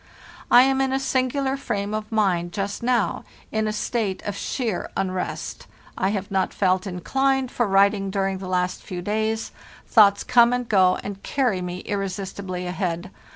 "T am in a singular frame of mind just now, in a state of sheer unrest. I have not felt inclined for writing during the last few days; thoughts come and go, and carry me irresistibly ahead.